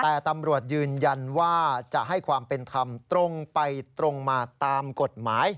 แต่ตำรวจยืนยันว่าจะให้ความเป็นธรรมตรงไปตรงมาตามกฎหมาย